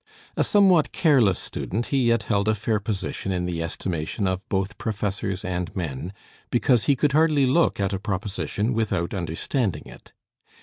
A somewhat careless student, he yet held a fair position in the estimation of both professors and men, because he could hardly look at a proposition without understanding it.